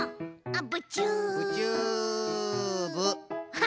あっ！